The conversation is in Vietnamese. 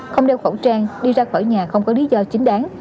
không đeo khẩu trang đi ra khỏi nhà không có lý do chính đáng